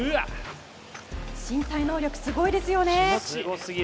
身体能力すごいですよね。